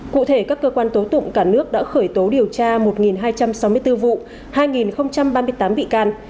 cụ thể các cơ quan tố tụng cả nước đã khởi tố điều tra một hai trăm sáu mươi bốn vụ hai ba mươi tám bị can